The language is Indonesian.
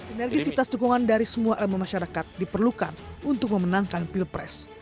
energisitas dukungan dari semua elemen masyarakat diperlukan untuk memenangkan pilpres